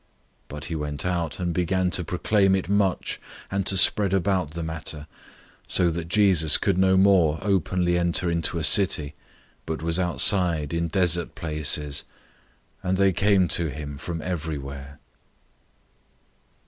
001:045 But he went out, and began to proclaim it much, and to spread about the matter, so that Jesus could no more openly enter into a city, but was outside in desert places: and they came to him from everywhere.